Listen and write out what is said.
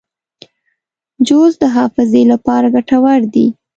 جوز د حافظې لپاره ګټور دي.